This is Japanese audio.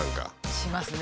しますね。